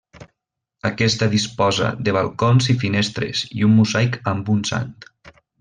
Aquesta disposa de balcons i finestres i un mosaic amb un sant.